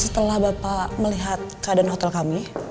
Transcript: setelah bapak melihat keadaan hotel kami